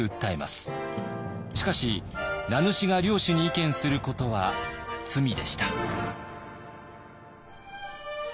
しかし名主が領主に意見することは「罪」でした。